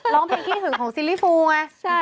ร้องเพลงคิดถึงของซิริฟูไง